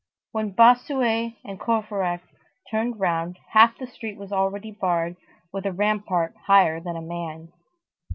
When Bossuet and Courfeyrac turned round, half the street was already barred with a rampart higher than a man.